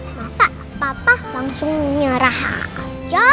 masa patah langsung nyerah aja